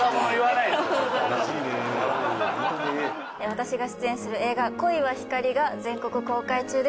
私が出演する映画『恋は光』が全国公開中です。